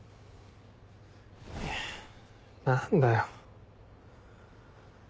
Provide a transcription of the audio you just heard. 何だよ。